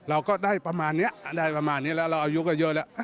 เราก็ได้ประมาณนี้แล้วเราอายุก็เยอะแล้ว